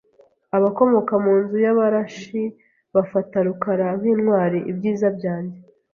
a bakomoka mu nzu y’Abarashi bafata Rukara nk’intwari Ibyiza byanjye